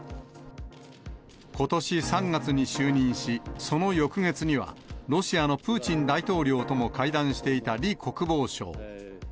ことし３月に就任し、その翌月にはろしあのプーチン大統領とも会談していた李国防相。